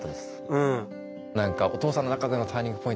うん。